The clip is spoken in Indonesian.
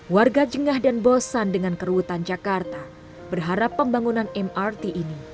warga jengah dan bosan dengan keruutan jakarta berharap pembangunan mrt ini